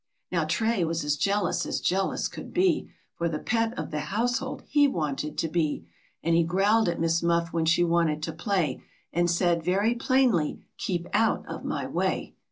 Now Tray was as jealous as jealous could be, For the pet of the household he wanted to be, And he growled at Miss Muff when she wanted to play And said very plainly, " Keep out of my way